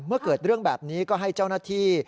เมื่อเกิดเรื่องแบบนี้ก็ให้เจ้าหน้าที่